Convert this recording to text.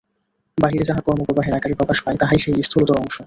বাহিরে যাহা কর্মপ্রবাহের আকারে প্রকাশ পায়, তাহাই সেই স্থূলতর অংশ।